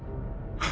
あ！